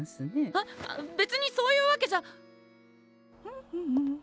あっ別にそういうわけじゃ。